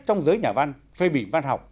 trong giới nhà văn phê bỉnh văn học